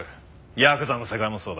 ヤクザの世界もそうだ。